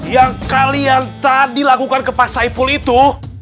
yang kalian tadi lakukan ke pak saiful itu